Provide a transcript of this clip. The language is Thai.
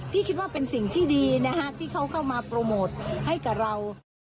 คิดว่าเป็นสิ่งที่ดีนะฮะที่เขาเข้ามาโปรโมทให้กับเรา